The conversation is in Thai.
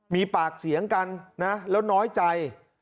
มีปากเสียงกันนะแล้วน้อยใจ